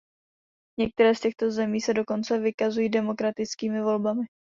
Některé z těchto zemí se dokonce vykazují demokratickými volbami.